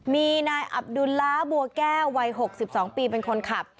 มีนายอับดุลล้าบัวแก้ววัย๖๒ปีเป็นคนขับ